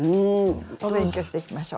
お勉強していきましょう。